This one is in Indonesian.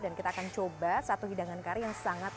dan kita akan coba satu hidangan kari yang sangat